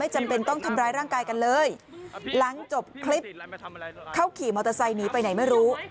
หลังจบคลิปเขาขี่มอเตอร์ไซค์หนีไปไหนไม่รู้